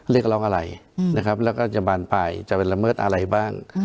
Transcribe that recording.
เรียกร้องอะไรนะครับแล้วก็จะบานปลายจะเป็นละเมิดอะไรบ้าง